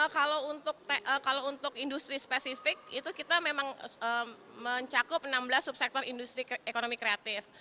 kalau untuk industri spesifik itu kita memang mencakup enam belas subsektor industri ekonomi kreatif